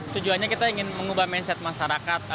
tujuannya kita ingin mengubah mindset masyarakat